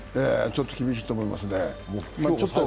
ちょっと厳しいと思いますね。